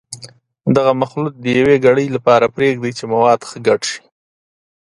دغه مخلوط د یوې ګړۍ لپاره پرېږدئ چې مواد ښه ګډ شي.